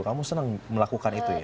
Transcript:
kamu senang melakukan itu ya